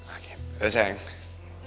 oke sampai jumpa lagi